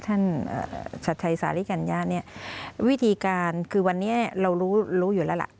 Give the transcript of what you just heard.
ท่านศัลิกัญญาวิธีการคือวันนี้เรารู้อยู่แล้วล่ะ